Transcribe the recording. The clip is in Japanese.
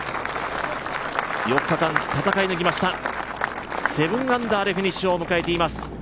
４日間戦い抜きました、７アンダーでフィニッシュを迎えています。